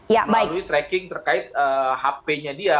melalui tracking terkait hp nya dia